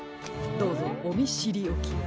どうぞおみしりおきを。